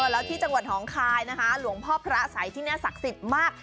แล้วที่จังหวัดหนองคายนะคะหลวงพ่อพระสัยที่นี่ศักดิ์สิทธิ์มาก